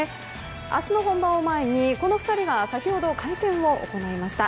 明日の本番を前にこの２人が先ほど会見を行いました。